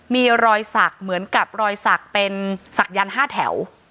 มีรอยศักดิ์เหมือนกับรอยศักดิ์เป็นศักดิ์ยันทร์๕แถว